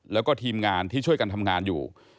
แล้วก็ทีมงานที่ช่วยกันทำงานอยู่